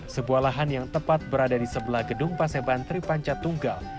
sebuah lahan yang tepat berada di sebelah gedung paseban tripanca tunggal